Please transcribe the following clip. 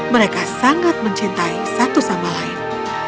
mereka sangat mencintai satu sama lain